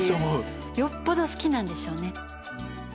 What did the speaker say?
よっぽど好きなんでしょうね。